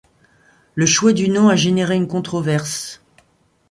Le choix du nom a généré une controverse.